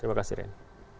terima kasih ren